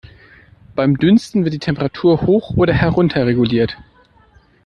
Beim Dünsten wird die Temperatur hoch oder herunterreguliert.